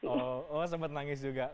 oh sempat nangis juga